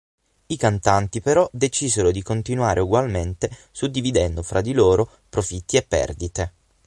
I cantanti però decisero di continuare ugualmente, suddividendo fra di loro profitti e perdite.